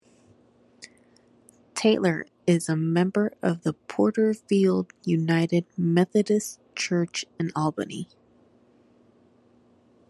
Taylor is a member of the Porterfield United Methodist Church in Albany.